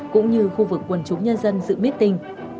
cũng như khu vực quần chúng nhân dân dự mít tình